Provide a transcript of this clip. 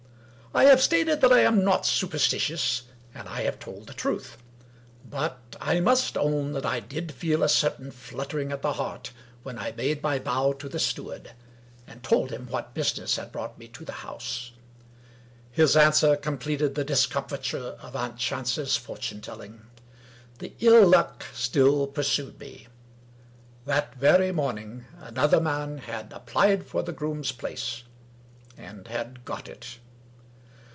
I have stated that I am not superstitious, and I have told the truth. 228 Wilkie Collins But I must own that I did feel a certain fluttering at the heart when I made my bow to the steward, and told him what business had brought me to the house. His answer completed the discomfiture of aunt Chance's fortune telling. My ill luck still pursued me. That very morning another man had applied for the groom's place, and had got it.